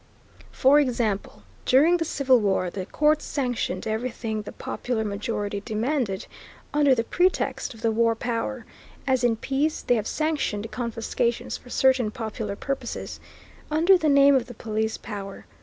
For example, during the Civil War, the courts sanctioned everything the popular majority demanded under the pretext of the War Power, as in peace they have sanctioned confiscations for certain popular purposes, under the name of the Police Power.